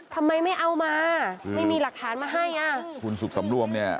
ทำไมไม่เอามาไม่มีหลักฐานมาให้